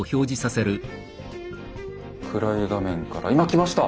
暗い画面から今きました！